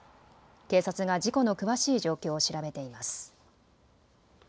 警察が事故の詳しい状況を調べています。